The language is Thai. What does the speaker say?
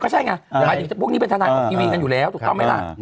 ใช่ไงหมายถึงพวกนี้เป็นทนายของทีวีกันอยู่แล้วถูกต้องไหมล่ะ